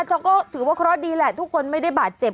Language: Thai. เขาก็ถือว่าเคราะห์ดีแหละทุกคนไม่ได้บาดเจ็บ